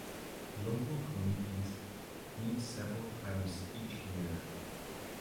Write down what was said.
Local committees meet several times each year.